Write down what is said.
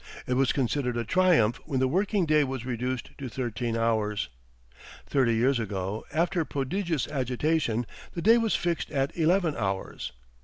It was considered a triumph when the working day was reduced to thirteen hours. Thirty years ago, after prodigious agitation, the day was fixed at eleven hours.